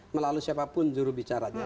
melalui siapapun jurubicaranya